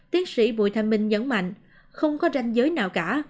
tiến sĩ bùi thanh minh nhấn mạnh không có ranh giới nào cả